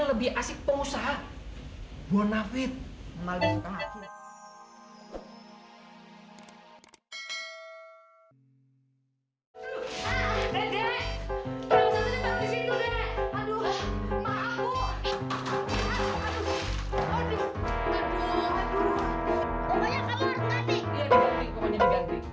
bagi asyik pengusaha bonusud malefic abis